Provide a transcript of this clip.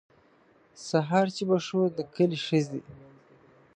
سهار چې به شو د کلي ښځې.